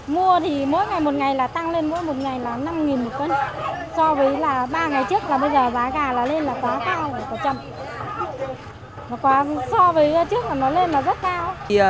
mua thì mỗi ngày tăng lên mỗi ngày là năm một cân so với ba ngày trước giá gà lên là quá cao so với trước nó lên là rất cao